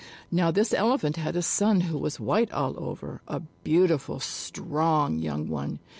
Now this Elephant had a son who was white all over a beautiful, strong young one.